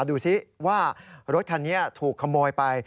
ดูสิว่ารถคันนี้ถูกขโมยไป